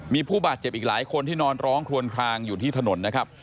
มีผู้บาดเจ็บอีกหลายคนที่นอนร้องคลวนคลางอยู่ที่ถนนนะครับ